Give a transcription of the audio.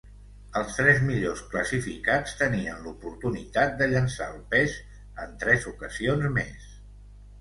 Els tres millors classificats tenien l’oportunitat de llençar el pes en tres ocasions més.